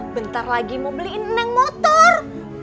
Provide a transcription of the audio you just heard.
bentar lagi mau beliin endang motor